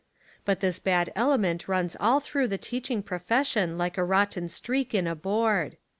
But this bad element runs all through the teaching profession like a rot ten streak in a board.